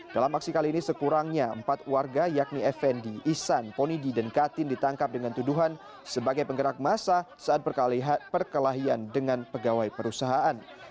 dalam aksi kali ini sekurangnya empat warga yakni effendi ihsan ponidi dan katin ditangkap dengan tuduhan sebagai penggerak masa saat perkelahian dengan pegawai perusahaan